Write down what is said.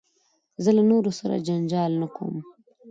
زه له نورو سره جنجال نه کوم.